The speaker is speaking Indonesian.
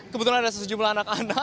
kebetulan ada sejumlah anak anak